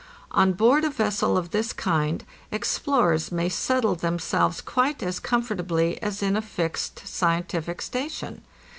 'On board a vessel of this kind explorers may settle themselves quite as comfortably as in a fixed scientific station.